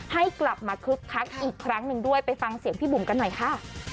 ให้กลับมาคึกคักอีกครั้งหนึ่งด้วยไปฟังเสียงพี่บุ๋มกันหน่อยค่ะ